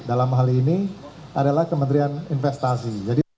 dalam hal ini adalah kementerian investasi